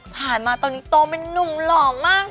ผ่านมาตอนนี้โตมานุ่มหล่อมาก